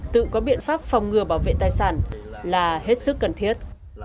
tự có biện pháp phòng ngừa bảo vệ tài sản là hết sức cần thiết